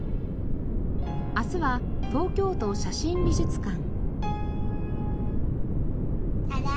明日は東京都写真美術館。